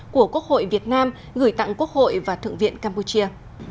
của quốc hội việt nam gửi tặng quốc hội và thượng viện campuchia